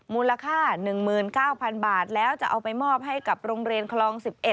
มูลค่า๑๙๐๐บาทแล้วจะเอาไปมอบให้กับโรงเรียนคลอง๑๑